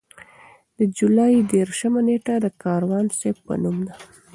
د جولای دېرشمه نېټه د کاروان صیب په نوم ده.